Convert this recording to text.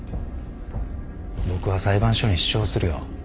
僕は裁判所に主張するよ。